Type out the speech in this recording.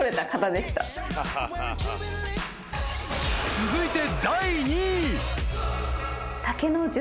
［続いて］